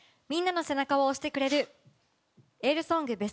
みんなの背中を押してくれるエールソング